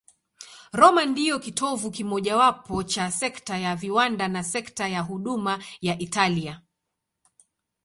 Roma ndiyo kitovu kimojawapo cha sekta ya viwanda na sekta ya huduma ya Italia.